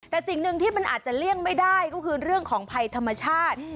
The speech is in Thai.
แต่สิ่งหนึ่งที่มันอาจจะเลี่ยงไม่ได้ก็คือเรื่องของภัยธรรมชาติ